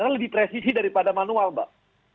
lebih presisi daripada manual mbak